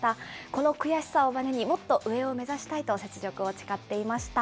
この悔しさをばねに、もっと上を目指したいと雪辱を誓っていました。